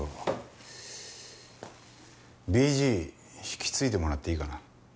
ＢＧ引き継いでもらっていいかな？